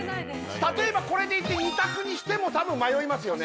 例えばこれでいって２択にしてもたぶん迷いますよね・